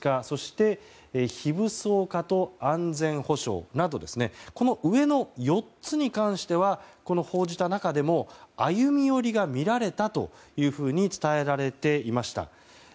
そして非武装化と安全保障などこの上の４つに関しては報じた中でも歩み寄りが見られたと伝えられていました。